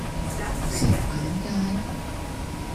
石板街